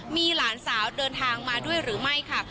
มีหลานสาวเดินทางมาด้วยหรือไม่ค่ะ